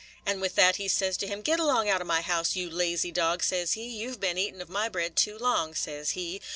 And with that he says to him, 'Get along out of my house, you lazy dog,' says he; 'you 've been eatin' of my bread too long,' says he.